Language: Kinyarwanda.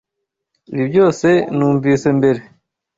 Ibi byose numvise mbere.